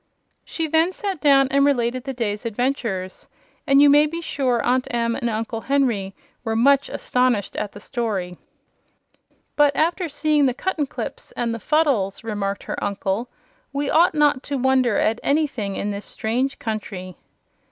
She then sat down and related the day's adventures, and you may be sure Aunt Em and Uncle Henry were much astonished at the story. "But after seeing the Cuttenclips and the Fuddles," remarked her uncle, "we ought not to wonder at anything in this strange country."